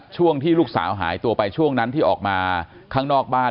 ช่วงที่ลูกสาวหายตัวไปช่วงนั้นที่ออกมาข้างนอกบ้าน